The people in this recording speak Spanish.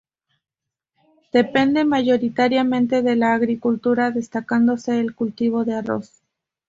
Depende mayoritariamente de la agricultura, destacándose el cultivo de arroz.